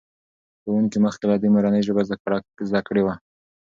ښوونکي مخکې له دې مورنۍ ژبه زده کړې وه.